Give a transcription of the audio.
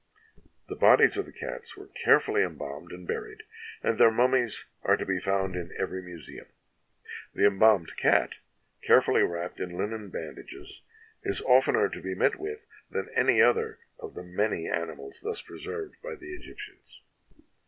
The bodies of the cats were carefully embalmed and buried, and their mummies are to be found in every museum. The embalmed cat, carefully wrapped in linen bandages, is oftener to be met with than any other of the many animals thus preserved by the Egyptians.